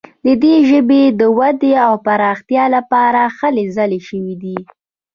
د دې ژبې د ودې او پراختیا لپاره هلې ځلې شوي دي.